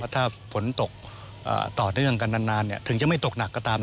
ถ้าฝนตกต่อเนื่องกันนานถึงจะไม่ตกหนักก็ตาม